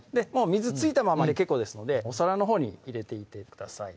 水付いたままで結構ですのでお皿のほうに入れていってください